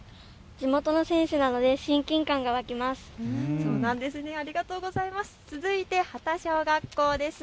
地元の選手なので親近感が湧きます。